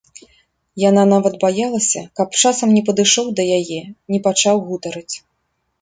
Яна нават баялася, каб часам не падышоў да яе, не пачаў гутарыць.